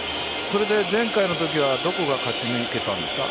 前回のときはどこが勝ち抜けたんですか？